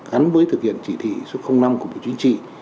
gắn với thực hiện chỉ thị số năm của bộ chính trị